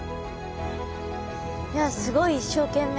いやすごい一生懸命な。